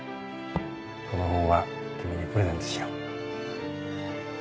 この本は君にプレゼントしよう。